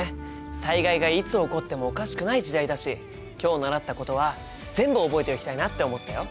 災害がいつ起こってもおかしくない時代だし今日習ったことは全部覚えておきたいなと思ったよ。